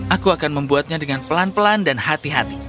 aku akan membuatnya dengan pelan pelan dan hati hati